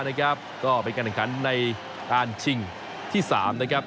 นะครับก็ไปการแห่งขันในการที่สามนะครับ